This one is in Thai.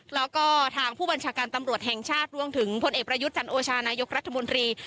แล้วก็ทางผู้บัญชาการตำรวจแห่งชาติรวมถึงพลเอกประยุทธ์จันโอชานายกรัฐมนตรี